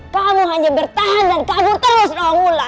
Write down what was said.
kamu hanya bertahan dan kabur terus angula